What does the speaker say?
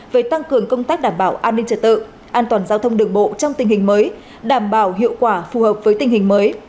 về tăng cường công tác đảm bảo an ninh trật tự an toàn giao thông đường bộ trong tình hình mới đảm bảo hiệu quả phù hợp với tình hình mới